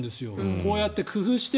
こうやって工夫して。